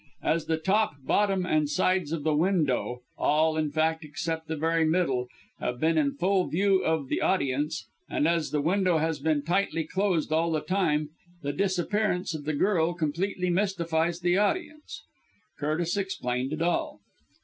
As the top, bottom and sides of the window, all in fact except the very middle, have been in full view of the audience, and as the window has been tightly closed all the time, the disappearance of the girl completely mystifies the audience. Curtis explained it all.